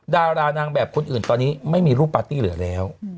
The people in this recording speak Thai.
ดารานางแบบคนอื่นตอนนี้ไม่มีรูปปาร์ตี้เหลือแล้ว